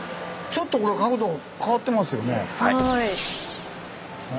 はい。